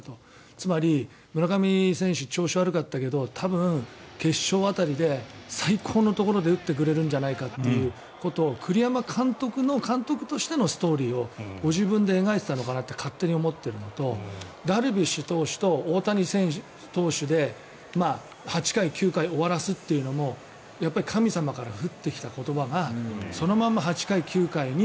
つまり、村上選手調子が悪かったけど多分、決勝辺りで最高のところで打ってくれるんじゃないかということを栗山監督の監督としてのストーリーをご自分で描いていたのかなと勝手に思っているのとダルビッシュ投手と大谷投手で８回、９回終わらせるというのも神様から降ってきた言葉がそのまま８回、９回に。